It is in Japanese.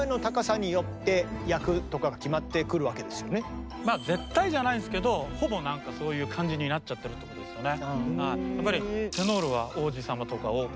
さあまあ絶対じゃないんですけどほぼなんかそういう感じになっちゃってるってことですよね。